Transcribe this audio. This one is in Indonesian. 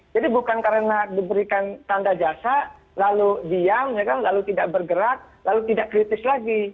jadi bukan karena diberikan tanda jasa lalu diam ya kan lalu tidak bergerak lalu tidak kritis lagi